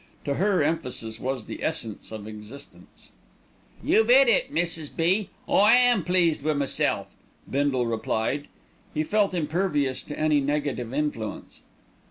To her, emphasis was the essence of existence. "You've 'it it, Mrs. B., I am pleased wi' meself," Bindle replied. He felt impervious to any negative influence.